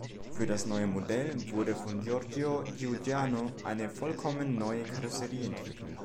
Für das neue Modell wurde von Giorgio Giugiaro eine vollkommen neue Karosserie entwickelt.